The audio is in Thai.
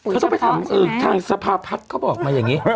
ก็ต้องไปถามทางสภาพัฒน์เขาบอกมาอย่างนี้